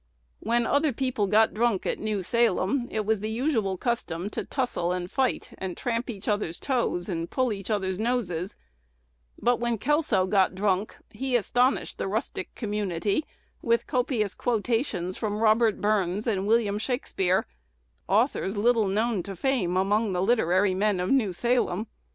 When other people got drunk at New Salem, it was the usual custom to tussle and fight, and tramp each other's toes, and pull each other's noses; but, when Kelso got drunk, he astonished the rustic community with copious quotations from Robert Burns and William Shakspeare, authors little known to fame among the literary men of New Salem.